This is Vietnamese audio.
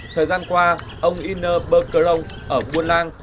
thời gian qua ông y nơ bơ cơ long ở buôn lang